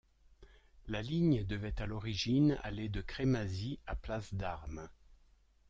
La ligne devait à l'origine aller de Crémazie à Place-d'Armes.